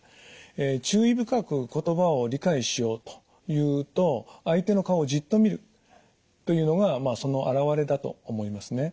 注意深く言葉を理解しようというと相手の顔をじっと見るというのがまあその表れだと思いますね。